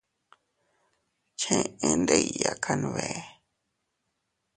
Cheʼe ndikya kanbee.